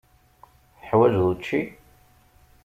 Teḥwaǧeḍ učči?